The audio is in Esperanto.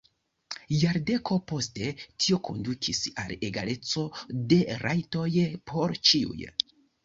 Jardeko poste tio kondukis al egaleco de rajtoj por ĉiuj.